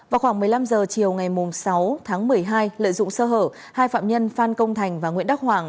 vào khoảng một mươi năm h chiều ngày sáu tháng một mươi hai lợi dụng sơ hở hai phạm nhân phan công thành và nguyễn đắc hoàng